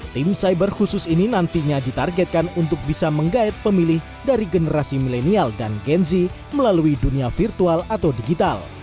tim cyber khusus ini nantinya ditargetkan untuk bisa menggait pemilih dari generasi milenial dan gen z melalui dunia virtual atau digital